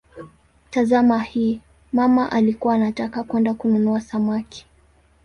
Tazama hii: "mama alikuwa anataka kwenda kununua samaki".